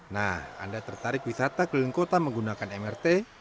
nah anda tertarik wisata keliling kota menggunakan mrt